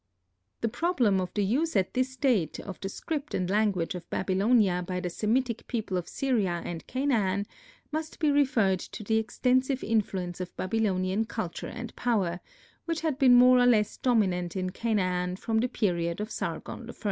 The problem of the use at this date of the script and language of Babylonia by the Semitic people of Syria and Canaan, must be referred to the extensive influence of Babylonian culture and power, which had been more or less dominant in Canaan from the period of Sargon I.